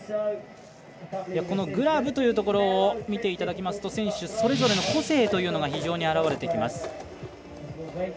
このグラブというところ見ていただきますと選手それぞれの個性というのが非常に表れてきます。